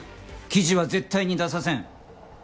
記事は絶対出させん！